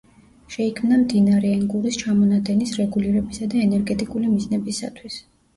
შეიქმნა მდინარე ენგურის ჩამონადენის რეგულირებისა და ენერგეტიკული მიზნებისათვის.